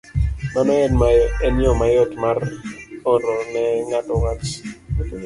Mano en yo mayot mar oro ne ng'ato wach.